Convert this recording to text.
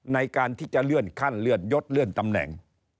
ในการที่จะเลื่อนขั้นเลื่อนยศเลื่อนตำแหน่ง